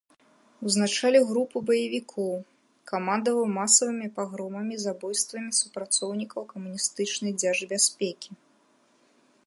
Узначаліў групу баевікоў, камандаваў масавымі пагромамі і забойствамі супрацоўнікаў камуністычнай дзяржбяспекі.